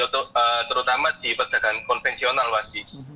terutama di perdagangan konvensional pasti